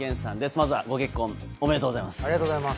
まずはご結婚、おめでとうございます。